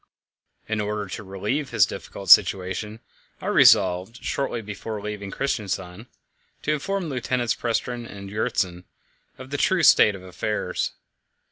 In order to relieve his difficult situation, I resolved, shortly before leaving Christiansand, to inform Lieutenants Prestrud and Gjertsen of the true state of affairs.